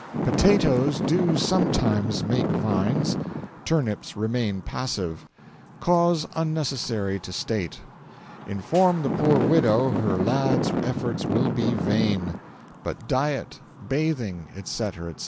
] 'Potatoes do sometimes make vines; turnips remain passive: cause unnecessary to state. Inform the poor widow her lad's efforts will be vain. But diet, bathing, etc. etc.